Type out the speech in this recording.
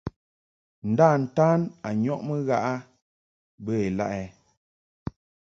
Nda-ntan a nyɔʼmɨ ghaʼ a bə ilaʼ ɛ ?